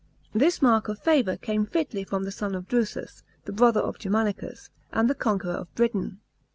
This mark of favour came fitly from the son of Drusus, the brother of Grermanicus, and the conqueror of Britain.